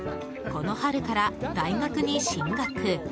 この春から大学に進学。